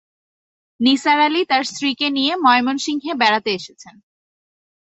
নিসার আলি তাঁর স্ত্রীকে নিয়ে ময়মনসিংহে বেড়াতে এসেছেন।